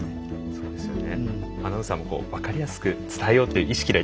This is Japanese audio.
そうですね。